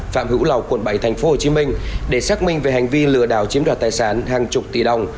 phạm hữu lầu quận bảy thành phố hồ chí minh để xác minh về hành vi lừa đảo chiếm đoạt tài sản hàng chục tỷ đồng